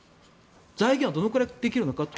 財源はどのくらいできるのかと。